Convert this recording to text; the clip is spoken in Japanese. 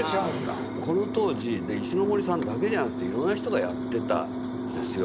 この当時石森さんだけじゃなくていろんな人がやってたんですよ。